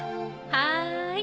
はい。